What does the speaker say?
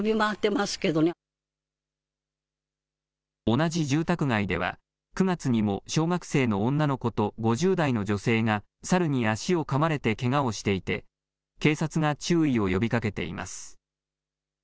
同じ住宅街では９月にも小学生の女の子と５０代の女性が猿に足をかまれてけがをしていて警察が注意を呼びかけています。